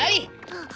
あっ？